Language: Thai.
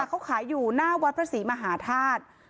เขาขายอยู่หน้าวัดพระศรีมหาธาตุ